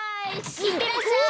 いってらっしゃい！